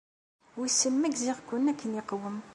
Wissen ma gziɣ-ken akken yeqwem.